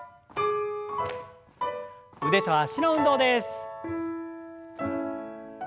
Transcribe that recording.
腕と脚の運動です。